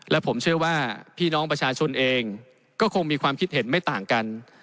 และผมเชื่อว่าพี่น้องประชาชนเองก็คงมีความคิดเห็นไม่ต่างกัน